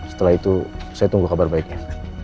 setelah itu saya tunggu kabar baiknya